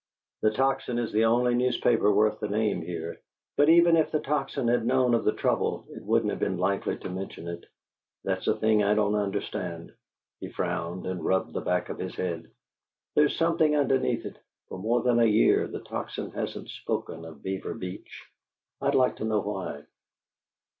The Tocsin is the only newspaper worth the name here; but even if the Tocsin had known of the trouble, it wouldn't have been likely to mention it. That's a thing I don't understand." He frowned and rubbed the back of his head. "There's something underneath it. For more than a year the Tocsin hasn't spoken of Beaver Beach. I'd like to know why."